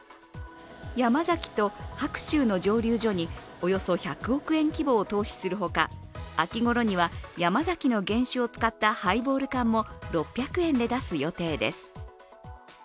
山崎と白州の蒸留所におよそ１００億円規模を投資するほか秋ごろには、山崎の原酒を使ったハイボール缶も６００円で出す予定です。